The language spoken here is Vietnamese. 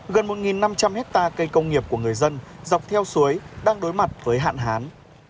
gần một năm trăm linh hectare cây công nghiệp của người dân dọc theo suối đang đối mặt với hạn hán